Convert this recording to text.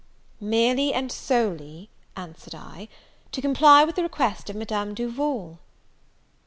"Merely and solely," answered I, "to comply with the request of Madame Duval."